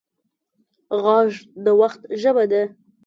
غږ د وخت ژبه ده